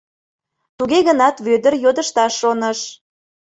Туге гынат Вӧдыр йодышташ шоныш.